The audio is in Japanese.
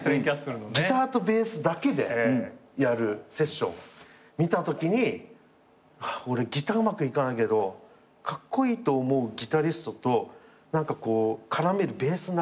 ギターとベースだけでやるセッション見たときに俺ギターうまくいかないけどカッコイイと思うギタリストと何かこう絡めるベースになりたいなみたいな。